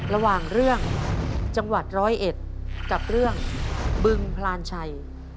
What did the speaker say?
ระหว่างเรื่องจังหวัดร้อยเอ็ดกับเรื่องบึงพลานชัย